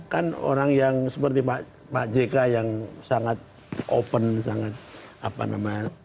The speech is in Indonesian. kan orang yang seperti pak jk yang sangat open sangat apa namanya